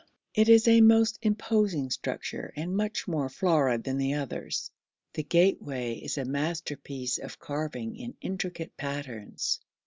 It is a most imposing structure and much more florid than the others. The gateway is a masterpiece of carving in intricate patterns.